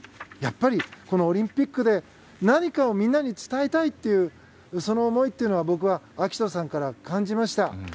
やっぱり、このオリンピックで何かをみんなに伝えたいという思いが僕は暁斗さんから感じました。